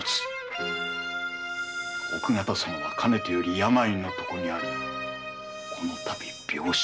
奥方様はかねてより病の床にありこの度病死。